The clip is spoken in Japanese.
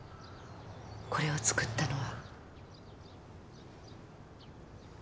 これを作ったのは。